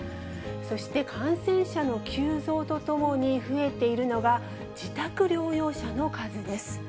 そして感染者の急増とともに増えているのが、自宅療養者の数です。